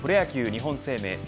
日本生命セ